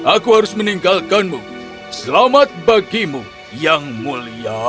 aku harus meninggalkanmu selamat bagimu yang mulia